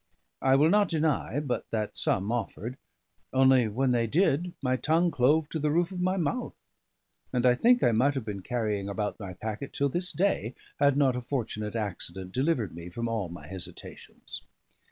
I will not deny but that some offered; only when they did my tongue clove to the roof of my mouth; and I think I might have been carrying about my packet till this day, had not a fortunate accident delivered me from all my hesitations.